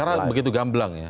karena begitu gamblang ya